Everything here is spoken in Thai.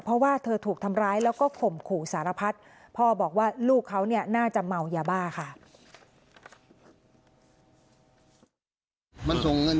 เพราะว่าเธอถูกทำร้ายแล้วก็ข่มขู่สารพัดพ่อบอกว่าลูกเขาเนี่ยน่าจะเมายาบ้าค่ะ